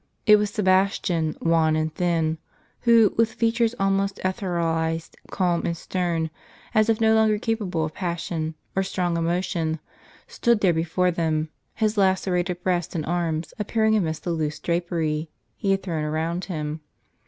It was Sebastian, wan and thin, who, with features almost etherealized, calm and stern, as if no longer capable of passion, or strong emotion, stood there before them; his lacerated breast and arms appearing amidst the loose drapery he had thrown around him.